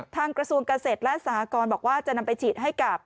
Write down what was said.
กระทรวงเกษตรและสหกรบอกว่าจะนำไปฉีดให้กับ